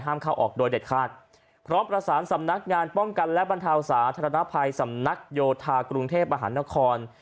เข้าออกโดยเด็ดขาดพร้อมประสานสำนักงานป้องกันและบรรเทาสาธารณภัยสำนักโยธากรุงเทพมหานคร